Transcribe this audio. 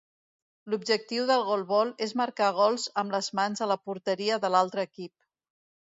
L'objectiu del golbol és marcar gols amb les mans a la porteria de l'altre equip.